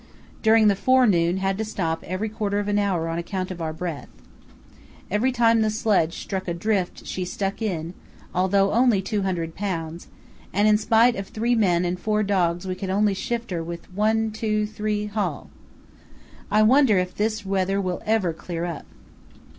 During the forenoon had to stop every quarter of an hour on account of our breath. Every time the sledge struck a drift she stuck in (although only 200 lbs.), and in spite of three men and four dogs we could only shift her with the 1—2—3 haul. I wonder if this weather will ever clear up.